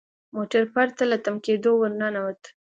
موټر پرته له تم کیدو ور ننوت.